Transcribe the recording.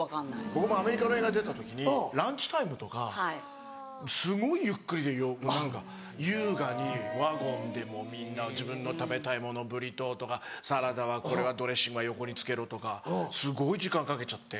僕もアメリカの映画出た時にランチタイムとかすごいゆっくりで何か優雅にワゴンでもうみんな自分の食べたいものブリトーとかサラダはこれはドレッシングは横につけろとかすごい時間かけちゃって。